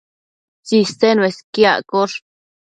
Tsisen uesquiaccosh